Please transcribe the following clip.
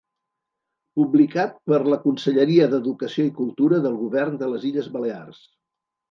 Publicat per la Conselleria d'Educació i Cultura del Govern de les Illes Balears.